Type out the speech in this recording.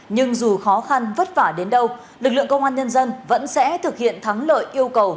nhưng dù khó khăn vất vả đến đâu lực lượng công an nhân dân vẫn sẽ thực hiện thắng lợi yêu cầu